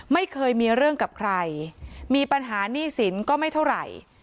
ไม่เคยมีเรื่องกับใครมีปัญหาหนี้สินก็ไม่เท่าไหร่